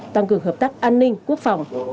tăng cường hợp tác an ninh quốc phòng